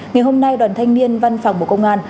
ngày hôm nay đoàn thanh niên văn phòng bộ công an